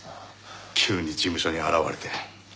急に事務所に現れて。